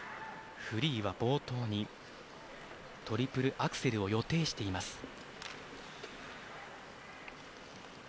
フリーは冒頭にトリプルアクセルを予定しています。